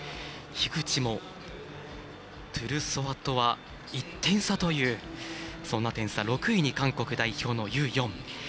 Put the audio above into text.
樋口もトゥルソワとは１点差というそんな点差、６位に韓国代表のユ・ヨン。